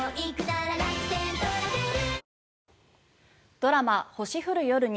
ドラマ「星降る夜に」。